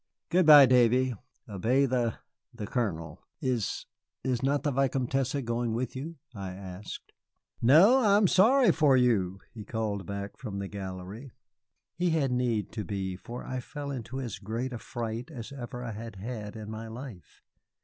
Good by, Davy. Obey the the Colonel." "Is is not the Vicomtesse going with you?" I asked. "No, I'm sorry for you," he called back from the gallery. He had need to be, for I fell into as great a fright as ever I had had in my life.